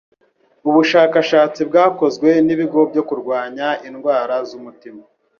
Ubushakashatsi bwakozwe n'ibigo byo kurwanya indwara z'umutima